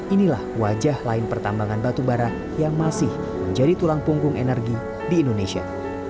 inilah wajah lain pertambangan batu bara yang masih menjadi tulang punggung energi di indonesia